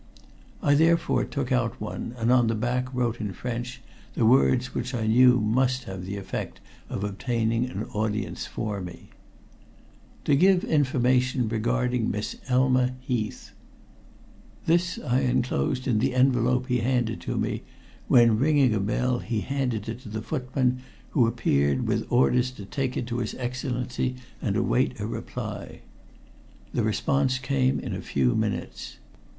I therefore took out one, and on the back wrote in French the words which I knew must have the effect of obtaining an audience for me: "To give information regarding Miss Elma Heath." This I enclosed in the envelope he handed to me, when, ringing a bell, he handed it to the footman who appeared, with orders to take it to his Excellency and await a reply. The response came in a few minutes.